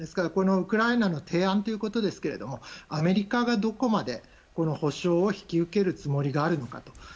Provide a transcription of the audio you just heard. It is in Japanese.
このウクライナの提案ということですがアメリカがどこまでこの保障を引き受けるつもりがあるのか。